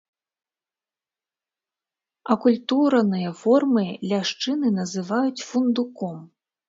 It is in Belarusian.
Акультураныя формы ляшчыны называюць фундуком.